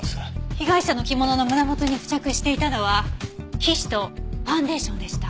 被害者の着物の胸元に付着していたのは皮脂とファンデーションでした。